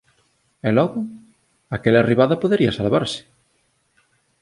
E logo? Aquela ribada podería salvarse.